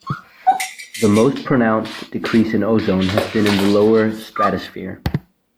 The most-pronounced decrease in ozone has been in the lower stratosphere.